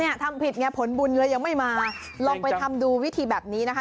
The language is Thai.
ทำผิดไงผลบุญเลยยังไม่มาลองไปทำดูวิธีแบบนี้นะคะ